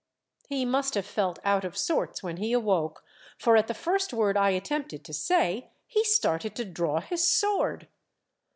He must have felt out of sorts when he awoke, for at the first word I attempted to say, he started to draw his sword.